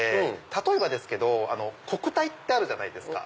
例えばですけど国体ってあるじゃないですか。